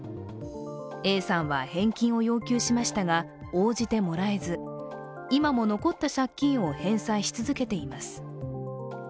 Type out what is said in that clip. Ａさんは、返金を要求しましたが応じてもらえず今も残った借金を返済し続けています。